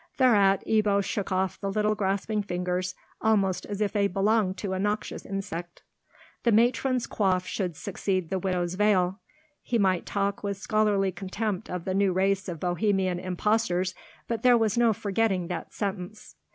Thereat Ebbo shook off the little grasping fingers, almost as if they had belonged to a noxious insect. "The matron's coif should succeed the widow's veil." He might talk with scholarly contempt of the new race of Bohemian impostors; but there was no forgetting that sentence.